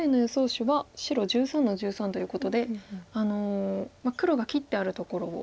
手は白１３の十三ということで黒が切ってあるところを。